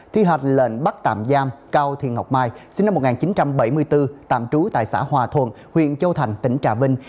thi hành lệnh bắt tạm giam cao thị ngọc mai sinh năm một nghìn chín trăm bảy mươi bốn tạm trú tại xã hòa thuận huyện châu thành tỉnh trà vinh